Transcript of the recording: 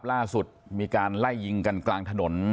ล่าสุดมีการไล่ยิงกันกลางถนน